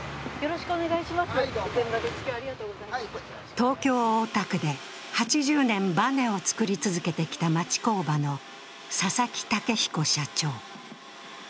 東京・大田区で８０年バネを作り続けてきた町工場の佐々木毅彦社長。